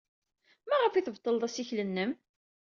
Maɣef ay tbeṭleḍ assikel-nnem?